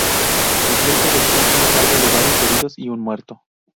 El pleito dejó un saldo de varios heridos y un muerto.